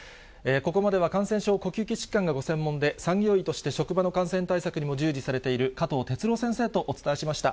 ここまでは感染症、呼吸器疾患がご専門で、産業医として職場の感染対策にも従事されている、加藤哲朗先生とお伝えしました。